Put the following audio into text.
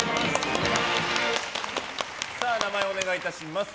名前をお願いいたします。